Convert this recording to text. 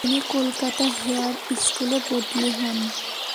তিনি কলকাতা হেয়ার স্কুলে বদলী হন।